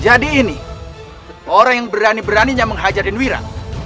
jadi ini orang yang berani beraninya menghajarin wira